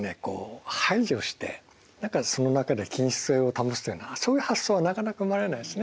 排除してその中で均質性を保つというようなそういう発想はなかなか生まれないですね。